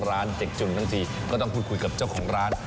ร้านเด็กจนทั้งทีก็ต้องพูดคุยกับเจ้าของร้าน